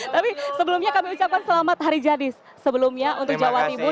tapi sebelumnya kami ucapkan selamat hari jadi sebelumnya untuk jawa timur